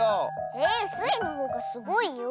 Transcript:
えスイのほうがすごいよ。